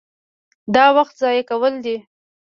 دا وخت ضایع کول دي.